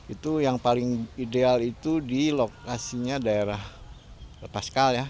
itu yang paling ideal itu di lokasinya daerah pascal ya